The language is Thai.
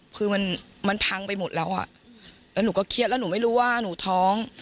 คือมันมันพังไปหมดแล้วอ่ะแล้วหนูก็เครียดแล้วหนูไม่รู้ว่าหนูท้อง